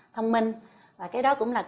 thông minh và cái đó cũng là